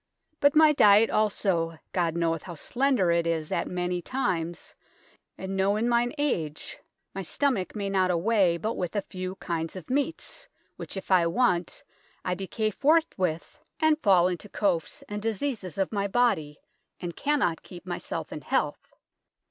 Butt my dyett allso, God knoweth how slender it is at meny tymes, and noo in myn age my sthomak may nott awaye but with a few kynd of meats, which if I want, I decaye forth with, and fall in to coafes and diseases of my bodye, and kan not keep myself in health.